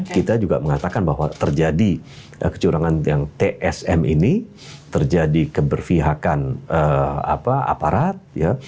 kita juga mengatakan bahwa terjadi kecurangan yang tsm ini terjadi keberpihakan aparat ya